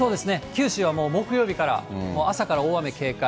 九州はもう木曜日から朝から大雨警戒。